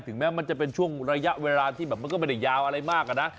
ถึงแม้มันจะเป็นช่วงระยะเวลาที่มันไม่ได้ยาวอะไรมาก